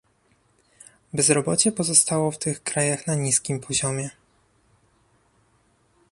Bezrobocie pozostało w tych krajach na niskim poziomie